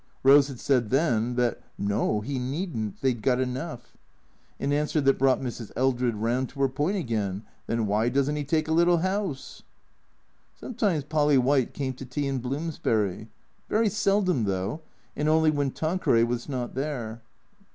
Rose had said then that no, he needn't, they 'd got enough ; an answer that brought Mrs. Eldred round to her point again. " Then why does n't 'E take a little 'ouse ?" Sometimes Polly White came to tea in Bloomsbury. Very seldom, though, and only when Tanqueray was not there.